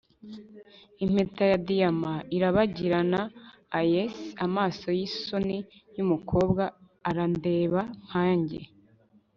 impeta ya diyama irabagirana eyes amaso yisoni yumukobwa arandeba nkanjye